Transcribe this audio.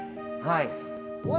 はい。